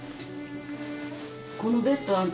このベッドあんた